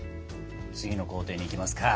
次の工程にいきますか！